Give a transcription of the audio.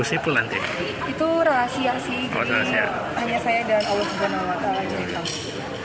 itu rahasia sih hanya saya dan allah swt